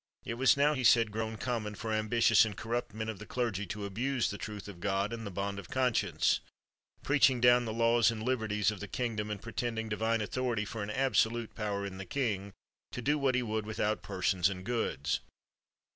It was now (he said) grown common for ambitious and corrupt men of the clergy to abuse the truth of God and the bond of con science; preaching down the laws and liberties of the kingdom, and pretending Divine author ity for an absolute power in the king, to do what he would without persons and goods.